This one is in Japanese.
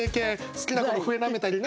好きな子の笛なめたりな。